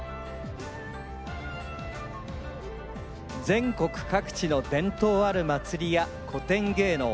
全国各地の伝統あるまつりや古典芸能